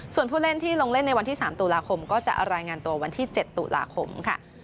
ส่วนผู้เล่นที่ลงเล่นในวันที่๓ตุลาคมก็จะรายงานตัววันที่๗ตุลาคมค่ะ